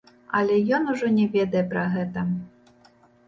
Але ён ужо не ведае пра гэта.